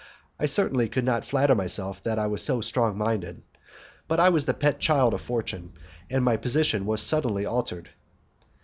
I certainly could not flatter myself that I was so strong minded. But I was the pet child of fortune, and my position was suddenly altered.